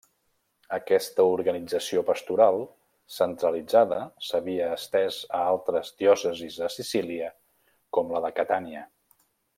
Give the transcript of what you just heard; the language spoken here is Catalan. Aquesta organització pastoral centralitzada s'havia estès a altres diòcesis a Sicília, com la de Catània.